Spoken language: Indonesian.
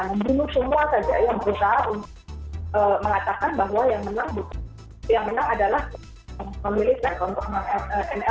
membunuh semua saja yang berusaha untuk mengatakan bahwa yang menang adalah militer untuk mlb